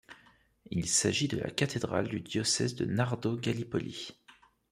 Il s'agit de la cathédrale du diocèse de Nardò-Gallipoli.